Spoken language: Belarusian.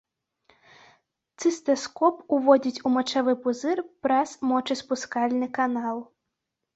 Цыстаскоп уводзяць у мачавы пузыр праз мочаспускальны канал.